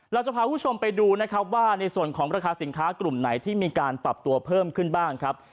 เราจะพาคุณผู้ชมไปดูนะครับว่าในส่วนของราคาสินค้ากลุ่มไหนที่มีการปรับตัวเพิ่มขึ้นบ้างครับ